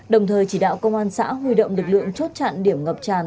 đồng thời chỉ đạo công an xã huy động lực lượng chốt chặn điểm ngập tràn